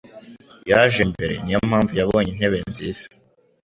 Yaje mbere. Niyo mpamvu yabonye intebe nziza.